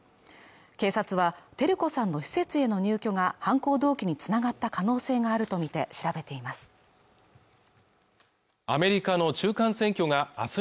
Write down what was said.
警察は照子さんの施設への入居が犯行動機につながった可能性があるとみて調べています